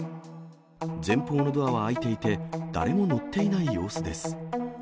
前方のドアは開いていて、誰も乗っていない様子です。